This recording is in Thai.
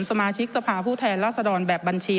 สมาชิกสภาพผู้แทนล่าสะดอนแบบบัญชี